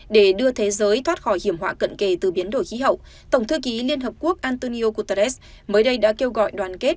để đưa thế giới thoát khỏi hiểm họa cận kể từ biến đổi khí hậu tổng thư ký liên hợp quốc antonio guterres mới đây đã kêu gọi đoàn kết